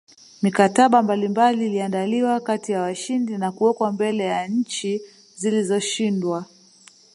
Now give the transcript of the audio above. Mikataba mbalimbali iliandaliwa kati ya washindi na kuwekwa mbele ya nchi zilizoshindwa